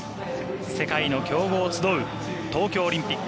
世界の強豪集う東京オリンピック。